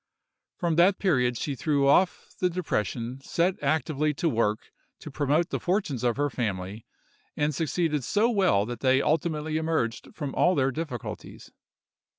From that period she threw off the depression, set actively to work to promote the fortunes of her family, and succeeded so well that they ultimately emerged from all their difficulties.